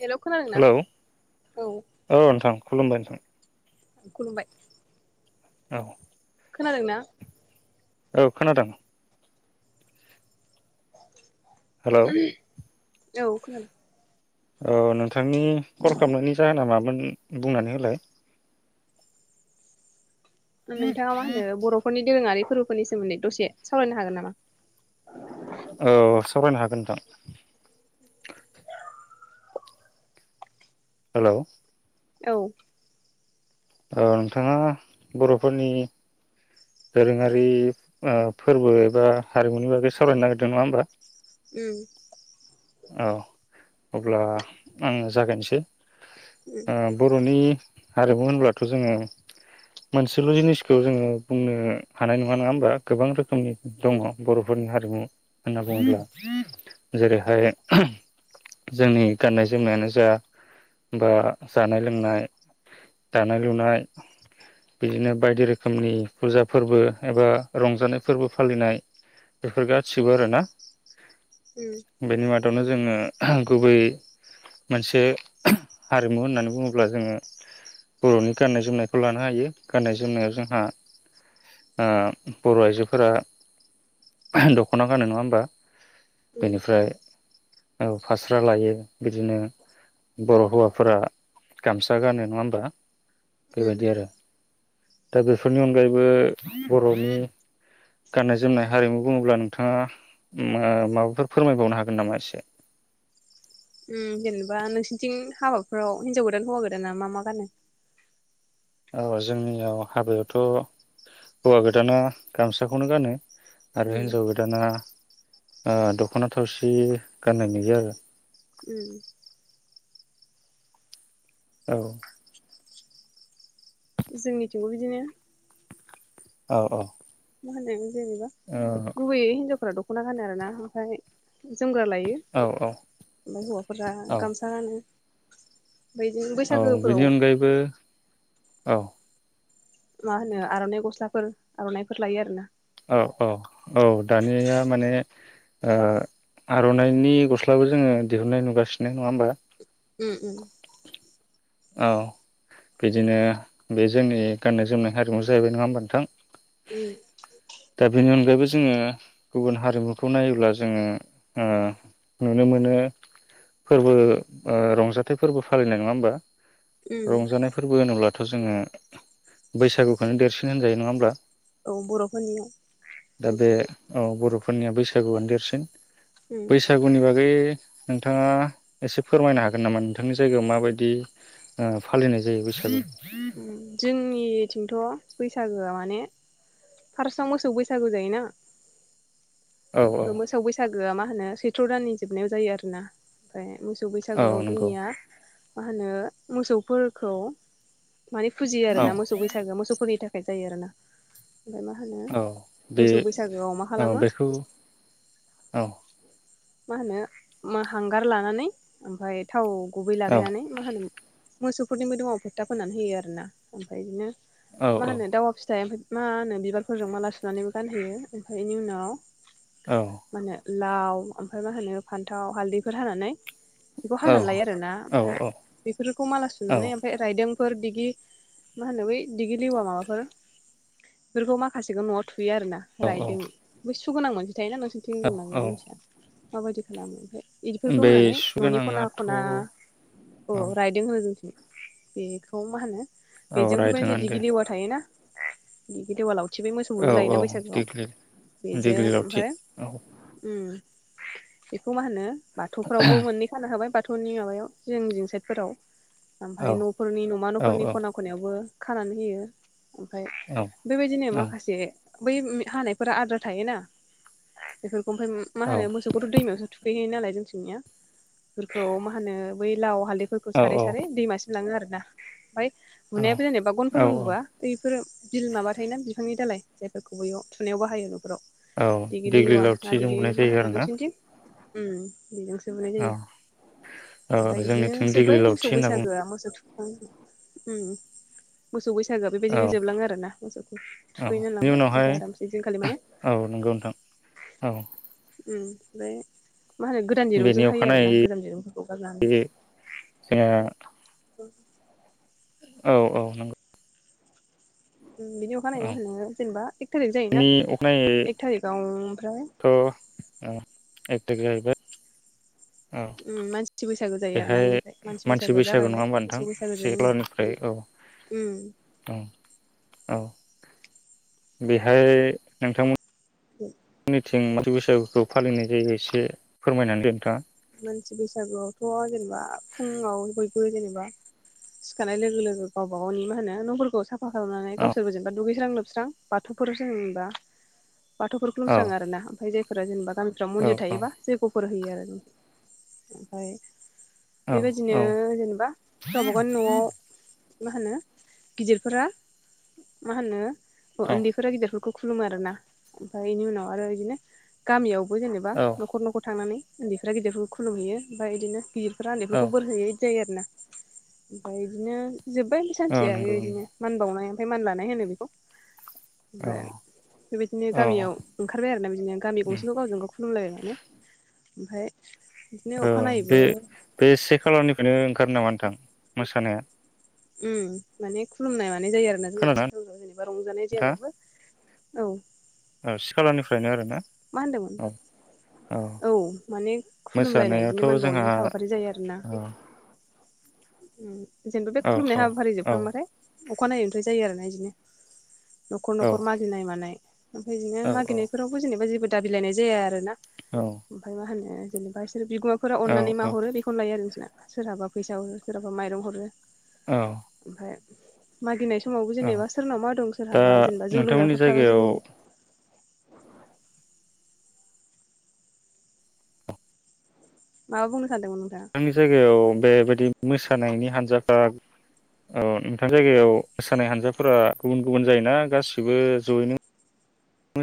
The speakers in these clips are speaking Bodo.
हेल' खोनादोंना हेल'औ औ नोंथां खुलुमबाय नोंथां खुलुमबाय औ खोनादों ना? औ खोनादोंं। हेल' औ खोनादों। औ नों नोंथांनि कल खालामनायनि जाहोना मामोन? ओ बुंनानै होलाय। नोंथाङा मा होनो बरफोरनि दोरोङारि फोरबोफोरनि सोमोन्दै दसे सावरायनो हागोन नामा? औ सावरायनो हागोन नोंथां। हेल' औ औ नोंथाङा बर'फोरनि दोरोङारि ओ फोरबो एबा हारिमुनि बागै सावारायनो नागिरदों नङा होमबा? उम औ अब्ला आंङो जागायनोसै उम ओ बर'नि हारिमु होनब्लाथ जोंङो मोनसेल' जिनिसखौ जोंङो बुंनो हानाय नङा नङा होमबा गोबां रोखोम नि उम दङ बर' फोरनि हा हारिमु होनना [inaudible] बुङोब्ला जेरैहाय जोंनि गाननाय जोमनायानो जा बा जानाय लोंनाय दानाय लुनाय बिदिनो बायदि रोखोमनि फुजा फोरबो एबा रंजानाय फोरबो फालिनाय बेफोर गासिबो आरोना बेनि मा [unintelligible] जोंङो गुबै मोनसे हारिमु होननानै बुङोब्ला जोंङो बरनि गाननाय जोमनायखौ लानो हायो गाननाय जोमनायाव जोंहा ओ बर' आइजोफोरा दख'ना गानो नङा होम्बा उम बेनिफ्राय औ फास्रा लायो बिदिनो बर' हौवाफोरा गामसा गानो नङा होम्बा उम बेबायदि आरो दा बेफोरनि अनगायै बो बर'नि गाननाय जोमनाय हारिमु बुङोब्ला नोंथाङा माबाफोर फोरमायबावनो हागोन नामा एसे उम जेनेबा नोंसोरनिथिं हाबाफोराव हिनजाव गोदान हौवा गोदाना मा मा गानो औ जोंनियाव हाबायावथ हौवा गोदाना गामसाखौनो गानो आरो उम हिन्जाव गोदाना। ओ दख'ना थावसि गाननाय नुयो आरो उम। औ। जोंनिथिंबो बिदिनो। औ औ मा होनो जेनेबा गुबैयै हिन्जा फोरा दख'ना गानो आरोना ओमफाय जोमग्रा लायो औ औ ओमफाय हौवाफोरा औ गामसा गानो। बिदिनो औ बैसागोफोराव बेनि अनगायैबो औ मा होनो आर'नाइ गस्लाफोर आर'नाइफोर लायो आरोना औ औ-औ दानिया माने ओ आर'नाइनि गस्लाबो जोङो दिहुननाय नुगासिनो नङा होम्बा उम उम औ बिदिनो बे जोंनि गाननाय जोमनाय हारिमु जाहैबाय नङा होम्बा नोंथां। उम दाबिनि अनगायैबोस जोङो गुबुन हारिमुखौ नायोब्ला जोङो ओ नुनो मोनो फोरबो ओ रंजाथाइ फोरबो फालिनाय नंङा होम्बा। उम रंजानाय फोरबो होनोब्लाथ थ' जोङो बैसागुखौनो देरसिन होनजायो नङा होमब्ला। औ बर'फोरनियाव दा बे औ बर'फोरनिया बैसागुआनो देरसिन उम बैसागुनि बागै नोंथाङा एसे फोरमायनो हागोन नामा नोंथांनि जायगायाव माबायदि ओ फालिनाय जायो बैसागु उम जोंनिथिंथ' बैसाग सागोआ माने फार्सआव मोसौ बैसागु जायोना। औ मोसौ बैसागोआ मा होनो सैथ्र' दाननि जोबनायाव जायो आरोना फ्राय मोस सौ औ बैसागोआव नंगौ जोंनिया मा होनो मोसौफोरखौ माने फुजियो आरो औ ना मोसौ बैसागो मोसौफोरनि थाख खाय जायो आरोना। ओमफाय मा होनो औ बे मोसौ बैसागोआव मा औ खालामो बेखौ औ। मा होनो माहांगार लानानै ओमफाय थाव गुबै औ लागायनानै मा होनोम मोसौफोरनि मोदोमाव फोथा फोननानै होयो आरोना ओमफ्राय इदिनो औ मा होनो दावा फिथाइ ओमफाय मा होनो बिबारफोरजों माला सुनानैबो गानहोयो ओमफाय इनि उनाव औ लाउ ओमफाय मा होनो फान्थाव हालदैफोर हानानै बेखौ हानानै लायो आरोना औ ओमफाय बेफोरखौ माला औ सुनानै ओमफाय राइदों फोर बिगि मा होनो बै दिगि लिवा माबाफोर फोरखौ माखासेखौ न'आव थु थुयो आरो ना औ औ राइदों बुस [unintelligible] [unintelligible] नोंसोनिथिं औ दंना गैया औ मिथिया। माबायदि खालामो ओमफ्राय? इदिफोरखौ बे होनानै सु न'नि ख'ना गोनाङाथ' औ ख'ना अ राइदों होनो जों बेखौ मा होनो औ बेजों बैबादि रायदोंआनो दे दिगिलेवा थायोना? [unintelligible] दिगिलेवा लाव थिबै मोसौ बुनो औ लायोना औ बैसागोआव देग्लि बेजों देग्लि लावथि ओमफाय औ ओम। बेखौ मा होननो बाथौफ्रावबो मोननै खानो हाबाय बाथौ थौनि माबायाव जिं जिं साइटफोराव। ओमफाय औ न'फोरनि न'मा औ न'फोरनि औ ख'ना ख'नायावबो खानानै होयो। ओमफाय औ बेबायदिनो औ माखासे बै उम हानायफोरा आद्रा थायोना बेफोरखौ ओमफाय मा औ होनो मोसौखौथ' दैमायावसो थुखै हैयो नालाय जोंनिथिंनिया फोरखौ मा होनो बै लाव हालदै फोरखौ सारै सारै दैमासिम लाङो आरो [unintelligible] ओमफ्राय औ बुनायाबो जेनेबा औ गनफोरजों बुवा, बै फोरो बिल माबा थायोना बिफांनि दालाय जायफोरखौ बैयाव थुनायाव बाहायो न'फोराव औ देग्लि लेवा दिग्लिलाव ना थि जों देग्लि बुंनाय मा होनो नोंसोरनिथिं उम [unintelligible] जोबोनाय औ जायो औ ओमफ्राय बिदिनो जोंनिथिं देग्लि जोब्बाय मोसौ लावथि होनना बुङो बैसागोआ मोसौ थुखौ मोसौ बैसा बैसागोआ औ बेबायदिनो जोबलाङो आरोना मोसौखौ औ थुखैनो बेनि लांबाय उनावहाय ओमफ्राय आरामसे ऐदिनखालि माने औ नंगौ नोंथां औ उम बे मा होनो गोदान बेनि दिरुंजों खायो अखानायै आरोना गोजान दिरुंफोरखौ गारनानै जोंहा औ औ औ नंगौ बिनि अखानायै औ मा होनो जेनेबा एक थारिक जायोना बेनि एक अखानायैथ' थारिकाव ओमफ्राय एथ थारिग जाहैबाय औ उम मानसि बैसागु जायो आरोना बेहाय बेनिफ्राय मानसि बैसागोआ बैसागु नङा जागायबाय होमबा नोंथां मोसौ बैसागो से जनि खालारनिफ्राय औ उनाव औ औ बेहाय नोंथांमोन औ निथिं माथि बैसागुखौ फालिनाय जायो एसे फोरमायनानै होदो नोंथाङा मानसि बैसागुआवथ' जेनेबा फुङाव बयबो जेनेबा सिखारनाय लोगो लोगो गावबा गावनि मा होनो न'फोरखौ साफा साफा खालामनानै औ गावसोर जेनेबा दुगैस्रां लोबस्रां स्रां बाथौफोर जों जेनेबा बाथौफोरखौ औ बोस्राङो आरोना ओमफ्राय जाय फोर जेनेबा गामिफ्राव औ मन्दिर औ थायोबा जैग'फोर होयो आरो ओम ओमफ्राय औ बेबायदिनो औ जेनेबा गावबा गावनि न'आव मा होनो गिदिरफोरा मा होनो अ उन्दैफोरा गिदिरफोरखौ खुलुमो आरोना ओमफ्राय बेनि उनाव आरो बिदिनो गामियाव बे जेनेबा औ न'खर न'खर थांनानै उन्दै फोरा गिदिरफोरखौ खुुलुमहैयो ओमफ्राय इदिनो गिदिर फोरा औ उन्दैफोरखौ बोर होयै जायो आरोना ओमफाय इदिनो जोब्बाय औ सानसेया नंगौ बेबायदिनो नंगौ मान बावनाय ओमफाय मान लानाय होनो बेखौ औ ओमफाय बेबायदिनो औ गामियाव ओंखारबाय आरोना बिदिनो गामि गंसेखौ गावजों गाव खुलुमलायो माने ओमफाय ओं बे बे से खालारनिफ्रायनो ओंखारो नामा नों थां मोसानो उम माने खुलुमनाय मा नाय जायो आरो ना जोंना खोनादोंना [unintelligible] जेनेबा रंजानाय नोंथाङा जायाबाबो औ औ सि खालारनिफ्रायनो आरो मा होनदोंमोन औ माने खुलुमलायनाय मोसानायाथ' बिदिनो मान बावनाय जोंहा हाबाफारि जायो आरोना औ ओम जेनेबा बे औ खुलुमनाय हाबाफारि औ जोबखांबाथाय अखानायैनिफ्राय जायो आरोना इदिनो न'खर औ न'खर मागिनाय मानाय ओमफ्राय बिदिनो औ औ मागिनायफोराव फुजिनाय [unintelligible] दाबिलाइनाय जाया आरो ना औ ओमफाय मा होनो जेनेबास बिगुमाफोरा औ अननानै औ माहरो बेखौनो लायो आरो सोरहाबा फैसा हरो सोरहाबा माइरं हरो औ मागिनायस समावबो औ जेनेबा सोरनाव मा दं दा सोरहाबा जेनेबा जौ नोंथांमोननि लोंग्राफोर थाबा जायगायाव जौ माबा बुंनो सानदोंमोन नोंथाङा आंनि जायगायाव बेबायदि मोसानायनि हानजाफ्रा औ नोंथां जायगायाव मोसानाय हानजाफोरा गुबुन गुबुन जायोना गासिबो जयैनो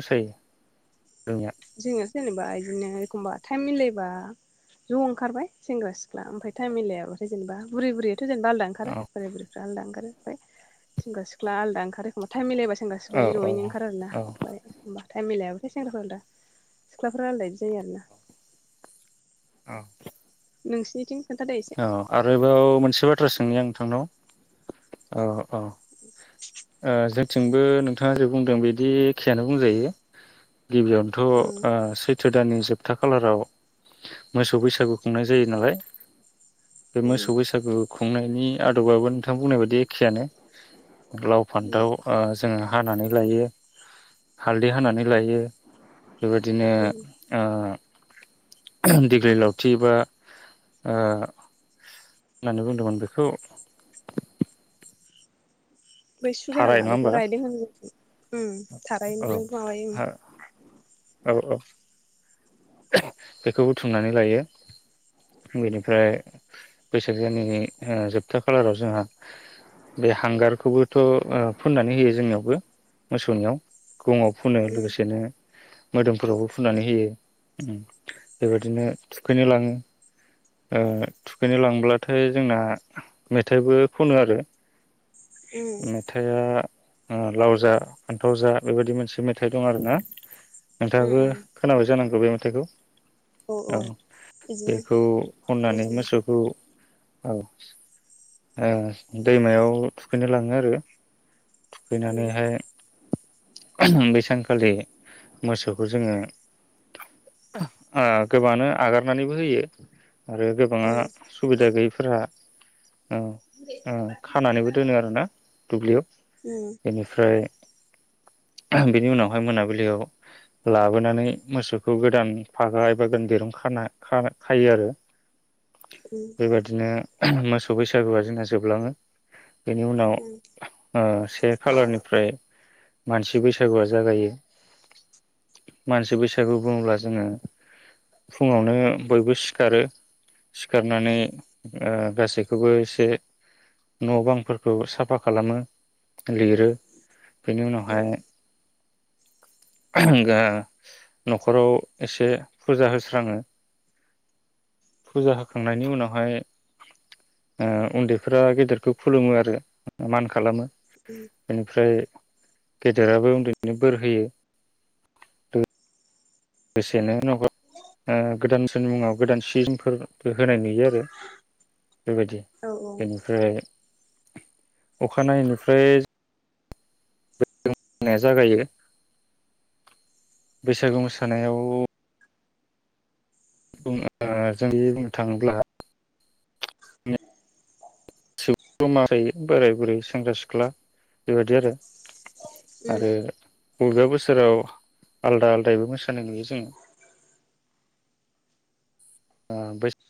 मोसायो [unintelligible] जोंनासो जेनेबा इदिनो एखमबा टाइम मिलायबा ज' ओंखारबाय सेंग्रा सिख्ला ओमफ्राय टाइम मिलायाबाथाय जेनेबा बुरै बुरै थ' जों आलादा ओंखारो औ बोराय बुरै आलादा ओंखारो ओमफ्राय सेंग्रा सिख्ला आलदा ओखारो एखमबा थाइम मिलायबा सेंग्रा औ सिख्लाय औ जयै ओंखार आरोना औ ओमफ्राय होनबाथाय [unintelligible] सिख्लाफोरा आलदायैनो जायो आरोना औ नोंसिनिथिं खोन्थादो एसे औ आरोबाव मोनसे बाथ्रा सोंनि आं नोंथांनाव अ अ ओ जों थिंबो नोंथाङा जे बुंदों बिदि एखेयानो बुंजायो गिबियावनोथ' उम ओ सैथो दाननि जोबथा खालाराव मोसौ बैसागु खुंनाय जायो नालाय बे उम मोसौ बैसागु खुंनायनि आदबाबो नोंथां बुंनाय बायदि एखेयानो लाव उम फान्थाव ओ जोङो हानानै लायो हालदै हानानै लायो बेबायदिनो उम ओ दिग्लि लावथि बा ओ होननानै बुंदोंमोन बेखौ बै थाराय सुगोनाङा नङा बेखौ होमबा रायदों होनो ओम थारायनो औ माबायो ओम औ औ बेखौ बुथुमनानै लायो बेनिफ्राय बैसाग दाननि जोबथा खालाराव जोंहा बे हांगारखौबोथ' ओ फुननानै होयो जोंनियावबो मोसौनियाव गुङाव फुनो उम लोगोसेनो मोदोमफोरावबो फुननानै होयो बेबायदिनो थुखैनो लाङो ओ थुखैनो लांब्लाथाय जोंना मेथाइबो खनो आरो उम मेथाया लाव जा फान्थाव जा बेबायदि मोनसे मेथाइ दं आरो ना उम नोंथाङाबो उम खोनाबाय जानांगौ बे मेथाइखौ औ बिदिनो बेखौ खननानै जोंथिंबो मोसौखौ औ ओ दैमायाव थुखैनो लाङो आरो उम थुखैनानैहाय बै सानखालि मोसौखौ जोङो ओ गोबाङानो आगारनानैबो होयो आरो गोबाङा उम सुबिदा गैयैफोरा ओ ओ खानानैबो दोनो आरोना दुब्लियाव उम बेनिफ्राय बेनि उनावहाय मोनाबिलियाव लाबोनानै मोसौखौ गोदान फागा एबा गोदान दिरुं खा खाना खायो आरो उम बेबादिनो मोस बैसागुआ जोंना जोबलाङो बेनि उनाव उम ओ से खालारनिफ्राय मानसि बैसागुआ जागायो मानसि बैसागु बुङोब्ला जोङो फुङावनो बयबो सिखारो सिखारनानै गासै बेखौबो एसे न' बांफोरखौ साफा खालामो लिरो बेनि उम उनावहाय [unintelligible] न'खराव एसे फुजा होस्राङो फुजा होखांनायनि उनावहाय ओ उन्दैफोरा गेदेरखौ खुलुमो आरो मान खालामो उम [inaudible] बेनिफ्राय गेदेराबो उन्दैनो बोर होयो लोगोसेनो न ओ गोदान बोसोरनि मुङाव गोदान सिजोमफोर होनाय नुयो आरो बेबायदि औ बेनिफ्राय अखानायैय निफ्राय नाया जागायो बैसागो मोसानायाव बुं ओ जों बुंनो थाङोब्ला गासिबो मायो बोराय बुरै सेंग्रा सिख्ला बेबायाददि आरो आरो उम अबेबा बोसोराव आलदा आलदायबो मोसानाय नुयो जोङो ओ बैसाग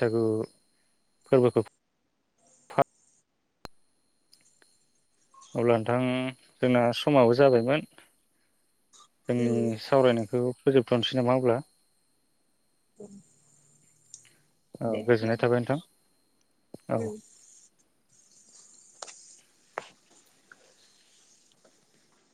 बैसागु फोरबोखौ अब्ला नोंथां जोंना समाबो जाबायमोन जोंनि उम सावरायनायखौ फोजोबथ'नोसै नामा अब्ला [inaudible] औ गोजोननाय थाबाय नोंथां औ उम